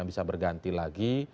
bisa berganti lagi